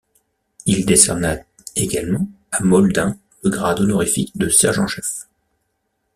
Il décerna également à Mauldin le grade honorifique de sergent-chef.